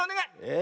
え？